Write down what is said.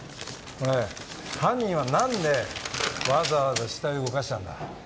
これ犯人は何でわざわざ死体を動かしたんだ？